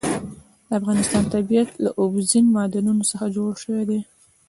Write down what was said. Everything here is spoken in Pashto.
د افغانستان طبیعت له اوبزین معدنونه څخه جوړ شوی دی.